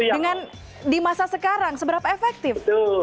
dengan di masa sekarang seberapa efektif